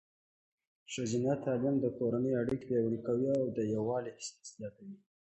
ښځینه تعلیم د کورنۍ اړیکې پیاوړې کوي او د یووالي احساس زیاتوي.